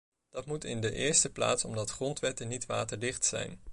Dat moet in de eerste plaats omdat grondwetten niet waterdicht zijn.